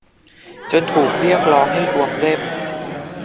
จนถูกเรียกร้องให้รวมเล่ม